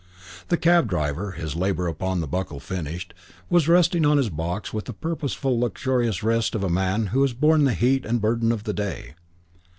The cab driver, his labour upon the buckle finished, was resting on his box with the purposeful and luxurious rest of a man who has borne the heat and burden of the day.